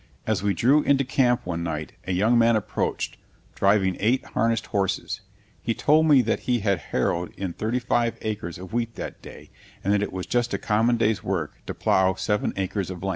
As we drew into camp one night a young man approached, driving eight harnessed horses. He told me that he had harrowed in thirty five acres of wheat that day, and that it was just a common day's work to plow seven acres of land.